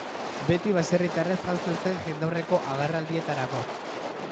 Beti baserritarrez janzten zen jendaurreko agerraldietarako.